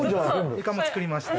床も作りました。